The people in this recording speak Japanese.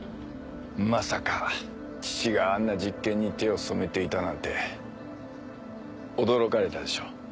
まさか父があんな実験に手を染めていたなんて驚かれたでしょ？